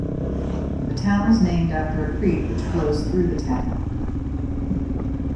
The town is named after a creek which flows through the town.